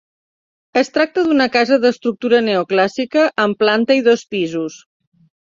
Es tracta d'una casa d'estructura neoclàssica amb planta i dos pisos.